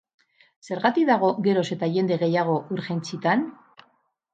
Zergatik dago geroz eta jende gehiago urgentzitan?